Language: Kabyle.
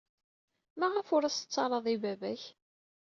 Maɣef ur as-tettarrad i baba-k?